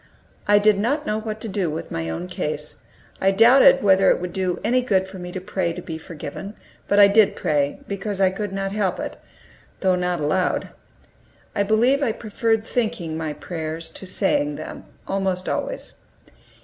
I did not know what to do with my own case. I doubted whether it would do any good for me to pray to be forgiven, but I did pray, because I could not help it, though not aloud. I believe I preferred thinking my prayers to saying them, almost always.